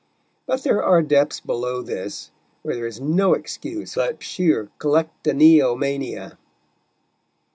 But there are depths below this where there is no excuse but sheer collectaneomania.